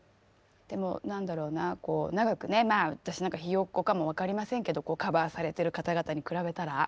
何だろうな長くねまあ私なんかひよっこかもわかりませんけどカバーされてる方々に比べたら。